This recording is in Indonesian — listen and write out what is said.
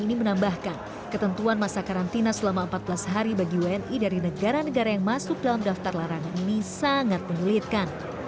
ini menambahkan ketentuan masa karantina selama empat belas hari bagi wni dari negara negara yang masuk dalam daftar larangan ini sangat menyulitkan